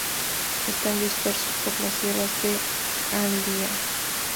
Están dispersos por la sierra de Andía.